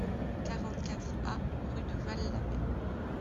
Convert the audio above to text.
quarante-quatre A rue du Val l'Abbé